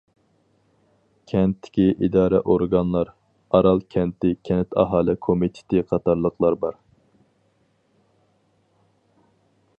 كەنتتىكى ئىدارە-ئورگانلار ئارال كەنتى كەنت ئاھالە كومىتېتى قاتارلىقلار بار.